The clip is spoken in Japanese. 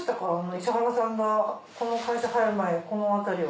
石原さんがこの会社入る前この辺りを。